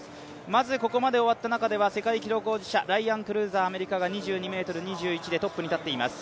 まずここまで終わった中では世界記録保持者、ライアン・クルーザー、アメリカが２２ｍ２１でトップに立っています。